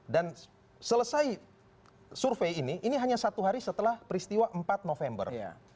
dan selesai survei ini ini hanya satu hari setelah peristiwa empat november